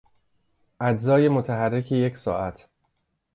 اجزای متحرک یک ساعت